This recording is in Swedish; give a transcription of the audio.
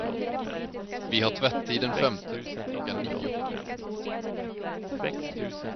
Vi har tvättid den femte, klockan nio.